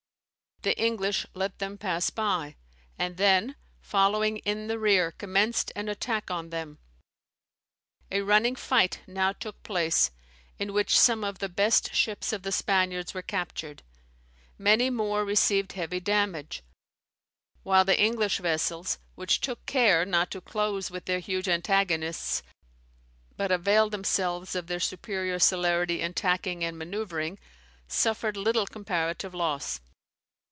The English let them pass by; and then, following in the rear, commenced an attack on them. A running fight now took place, in which some of the best ships of the Spaniards were captured; many more received heavy damage; while the English vessels, which took care not to close with their huge antagonists, but availed themselves of their superior celerity in tacking and manoeuvring, suffered little comparative loss.